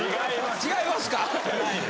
違いますか？